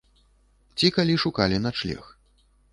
Ці калі шукалі начлег.